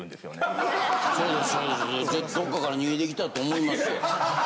どっかから逃げてきたと思いますよ。